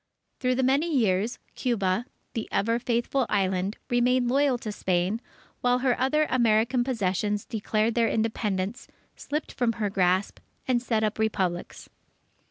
Through the many years, Cuba, the "Ever Faithful Island," remained loyal to Spain, while her other American possessions declared their Independence, slipped from her grasp, and set up Republics.